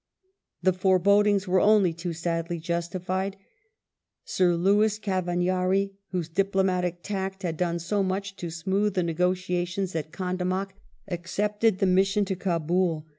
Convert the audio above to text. ^ The forebodings were only too sadly justified. Sir Louis Murder of Cavagnari, whose diplomatic tact had done so much to smooth the i^^K^^buT* negotiations at Gandamak, accepted the mission to Kabul.